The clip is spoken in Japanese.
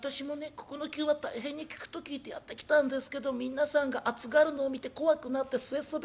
ここの灸は大変に効くと聞いてやって来たんですけど皆さんが熱がるのを見て怖くなって据えそびれてしまったんです。